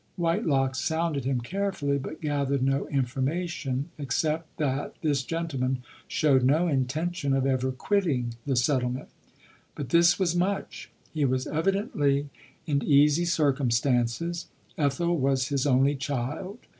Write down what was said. AVhitelock sounded him carefully, but gathered no information, except that this gentleman showed no intention of er quitting the settlement. But this was much. He was evidently in easy circumstances — Ethel was his only child.